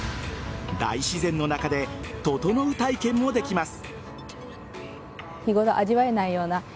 大自然の中でととのう体験もできます。